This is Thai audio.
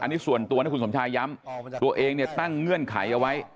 อันนี้ส่วนตัวนะคุณสมชายย้ำตัวเองเนี่ยตั้งเงื่อนไขเอาไว้